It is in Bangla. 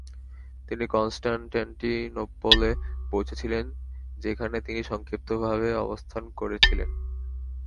তিনি কনস্ট্যান্টিনোপলে পৌঁছেছিলেন যেখানে তিনি সংক্ষিপ্তভাবে অবস্থান করেছিলেন।